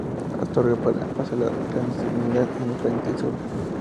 Astorga pasa a la clandestinidad en el Frente Sur.